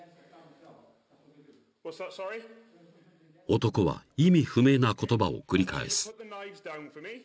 ［男は意味不明な言葉を繰り返す］